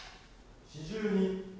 ４２。